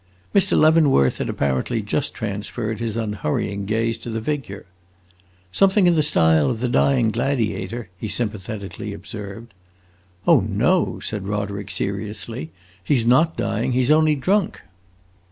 Mr. Leavenworth had apparently just transferred his unhurrying gaze to the figure. "Something in the style of the Dying Gladiator?" he sympathetically observed. "Oh no," said Roderick seriously, "he 's not dying, he 's only drunk!"